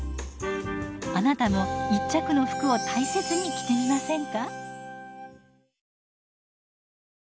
あなたも一着の服を大切に着てみませんか。